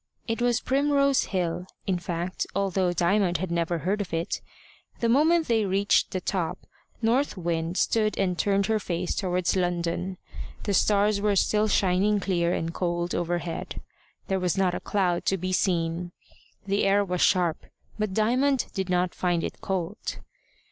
It was Primrose Hill, in fact, although Diamond had never heard of it. The moment they reached the top, North Wind stood and turned her face towards London The stars were still shining clear and cold overhead. There was not a cloud to be seen. The air was sharp, but Diamond did not find it cold.